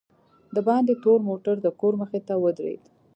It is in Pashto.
دباندې تور موټر دکور مخې ته ودرېد.